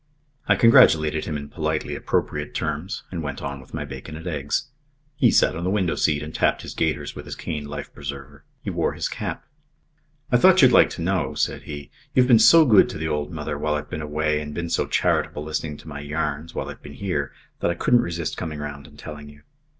I congratulated him in politely appropriate terms and went on with my bacon and eggs. He sat on the window seat and tapped his gaiters with his cane life preserver. He wore his cap. "I thought you'd like to know," said he. "You've been so good to the old mother while I've been away and been so charitable, listening to my yarns, while I've been here, that I couldn't resist coming round and telling you."